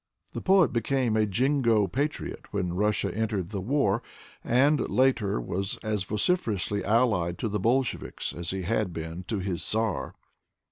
The poet became a jingo patriot when Russia entered the war, and later was as vociferously allied to the Bolsheviks as he had been to his Czar.